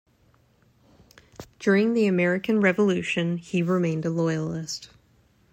During the American Revolution he remained a Loyalist.